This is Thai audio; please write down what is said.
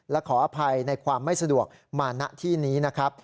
และขออภัยในความไม่สะดวกมาณที่นี้นะครับ